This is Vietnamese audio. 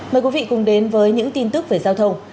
mời quý vị cùng đến với những tin tức về giao thông